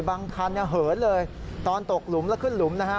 บางคันเหลือเลยตอนตกหลุมและขึ้นหลุมนะฮะ